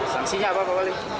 sanksinya apa pak wali